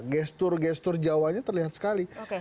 gestur gestur jawanya terlihat sekali